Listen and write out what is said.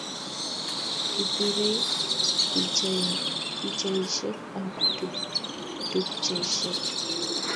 Kipirei pichaishek ab tupcheshek